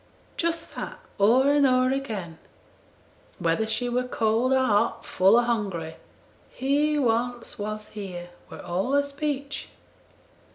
Just that o'er and o'er again, whether she were cold or hot, full or hungry, "He once was here," were all her speech.